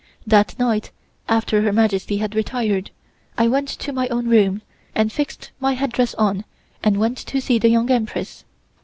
That night, after Her Majesty had retired, I went to my own room and fixed my headdress on and went to see the Young Empress.